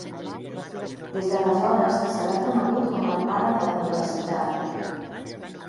Des d'aleshores se l'ha conegut com El Pare de la Universitat.